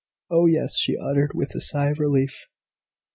"Oh, yes!" she uttered, with a sigh of relief.